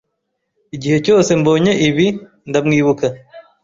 Igihe cyose mbonye ibi, ndamwibuka.